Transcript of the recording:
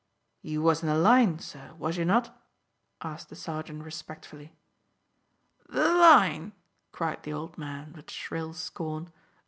"You was in the line, sir, was you not?" asked the sergeant respectfully. "The line?" cried the old man, with shrill scorn.